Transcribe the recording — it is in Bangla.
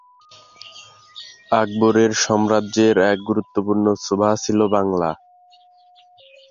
আকবরের সাম্রাজ্যের এক গুরুত্বপূর্ণ সুবাহ ছিল বাংলা।